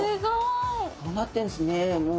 こうなってんですね。